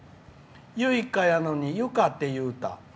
ゆいかやのに、ゆかって言うた。